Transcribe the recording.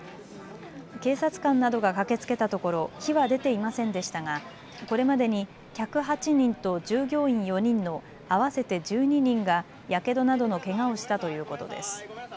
警察官などが駆けつけたところ火は出ていませんでしたがこれまでに客８人と従業員４人の合わせて１２人がやけどなどのけがをしたということです。